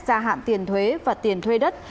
gia hạn tiền thuế và tiền thuê đất